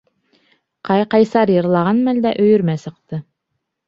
Ҡай-Ҡайсар йырлаған мәлдә өйөрмә сыҡты.